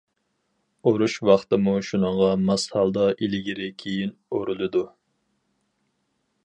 ئورۇش ۋاقتىمۇ شۇنىڭغا ماس ھالدا ئىلگىرى كېيىن ئورۇلىدۇ.